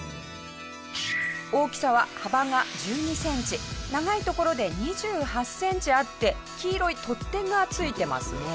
大きさは幅が１２センチ長いところで２８センチあって黄色い取っ手が付いてますね。